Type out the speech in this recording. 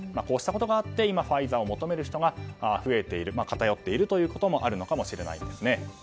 こうしたことがあって今ファイザーを求める人が増えている、偏っていることもあるのかもしれません。